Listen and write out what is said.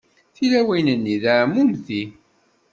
Tilawin-nni d εmumti.